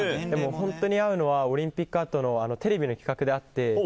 でも本当に会うのはオリンピック後のテレビの企画で会って。